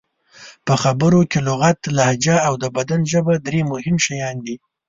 په خبرو کې لغت، لهجه او د بدن ژبه درې مهم شیان دي.